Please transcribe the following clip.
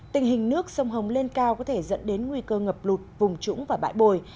tình hình nước sông hồng lên cao có thể dẫn đến nguy cơ ngập lụt vùng trũng và bãi bồi